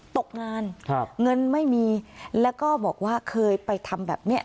ตกงานครับเงินไม่มีแล้วก็บอกว่าเคยไปทำแบบเนี้ย